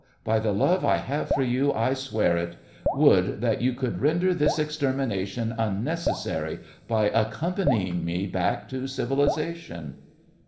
By the love I have for you, I swear it! Would that you could render this extermination unnecessary by accompanying me back to civilization!